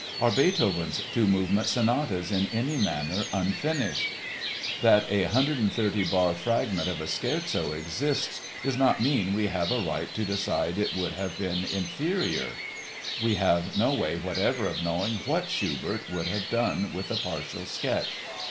Are Beethoven's two movement sonatas in any manner "unfinished"? That a 130 bar fragment of a scherzo exists does not mean we have a right to decide it would have been "inferior"—we have no way whatever of knowing what Schubert would have done with a partial sketch.